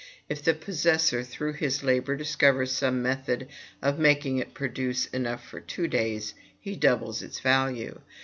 If the possessor, through his labor, discovers some method of making it produce enough for two days, he doubles its value.